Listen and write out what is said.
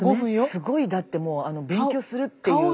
すごいだってもう勉強するっていう。